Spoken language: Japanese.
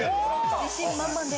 自信満々で。